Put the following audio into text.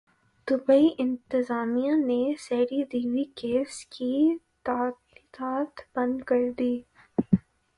Dubai انتظامیہ نے Sridevi case کی تحقیقات بند کردی